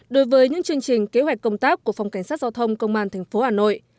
đối với những chương trình kế hoạch công tác của phòng cảnh sát giao thông công an tp hà nội